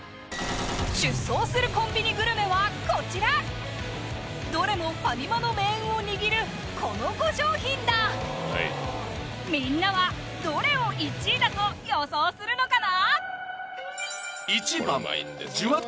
出走するコンビニグルメはこちらどれもファミマの命運を握るこの５商品だみんなはどれを１位だと予想するのかな？